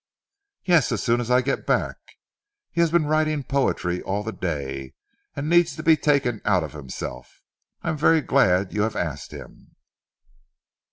"Yes, as soon as I get back. He has been writing poetry all the day, and needs to be taken out of himself. I am very glad you have asked him."